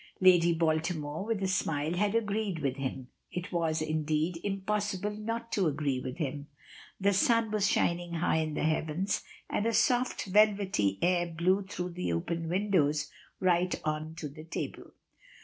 Lady Baltimore, with a smile, had agreed with him. It was, indeed, impossible not to agree with him. The sun was shining high in the heavens, and a soft, velvetty air blew through the open windows right on to the table.